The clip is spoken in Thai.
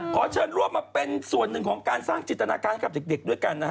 ขอเชิญร่วมมาเป็นส่วนหนึ่งของการสร้างจิตนาการให้กับเด็กด้วยกันนะฮะ